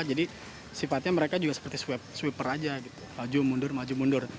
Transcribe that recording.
sifatnya mereka juga seperti sweeper aja maju mundur maju mundur